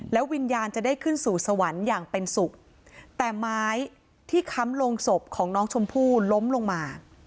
วิญญาณจะได้ขึ้นสู่สวรรค์อย่างเป็นสุขแต่ไม้ที่ค้ำลงศพของน้องชมพู่ล้มลงมา